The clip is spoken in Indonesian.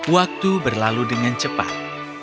waktu berlalu dengan cepat